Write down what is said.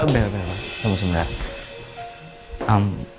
be kamu sementara